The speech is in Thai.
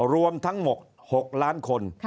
รวมทั้งหมด๖ล้านคน